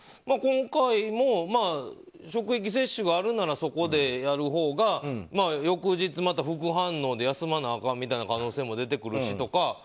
今回も職域接種があるならそこでやるほうが翌日また副反応で休まなあかんみたいな可能性も出てくるしとか。